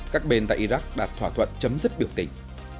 các bên tại iraq đạt thỏa thuận chấm dứt biểu tình